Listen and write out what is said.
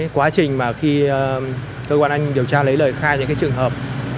quá trình mà khi cơ quan anh điều tra lấy lời khai những trường hợp